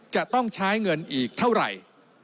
จะต้องใช้เงินอีกเท่าไหร่